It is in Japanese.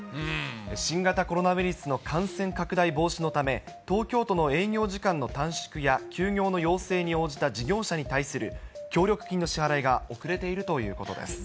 新型コロナウイルスの感染拡大防止のため、東京都の営業時間の短縮や休業の要請に応じた事業者に対する協力金の支払いが遅れているということです。